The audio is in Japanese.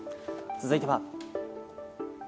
続いては。